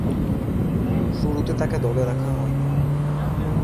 শুরুতে তাকে দলে রাখা হয়নি।